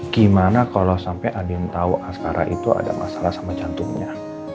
gimana kalau sampai andien tau sekarang itu ada masalah sama jantungnya